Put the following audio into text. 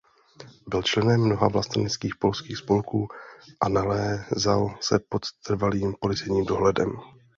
Byl členem mnoha vlasteneckých polských spolků a nalézal se pod trvalým policejním dohledem.